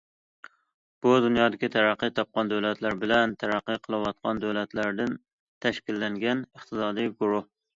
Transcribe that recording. ئۇ دۇنيادىكى تەرەققىي تاپقان دۆلەتلەر بىلەن تەرەققىي قىلىۋاتقان دۆلەتلەردىن تەشكىللەنگەن ئىقتىسادىي گۇرۇھ.